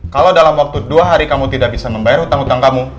kalau dalam waktu dua hari kamu tidak bisa membayar utang utang kamu